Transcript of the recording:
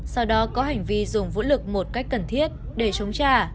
sau đó có hành vi dùng vũ lực một cách cần thiết để chống trả